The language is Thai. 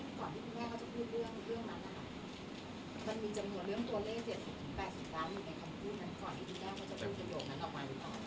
แต่ขวัญไม่สามารถสวมเขาให้แม่ขวัญได้